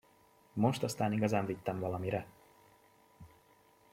Most aztán igazán vittem valamire!